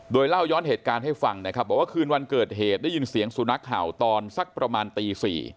โดยเล่าย้อนเหตุการณ์ให้ฟังนะครับบอกว่าคืนวันเกิดเหตุได้ยินเสียงสุนัขเห่าตอนสักประมาณตี๔